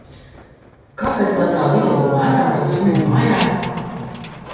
Kāpēc lai tā vijole mētātos viņa mājā?